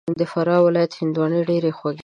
د فراه ولایت هندواڼې ډېري خوږي دي